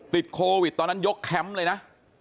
ติดโควิดตอนนั้นยกแคมป์เลยนะ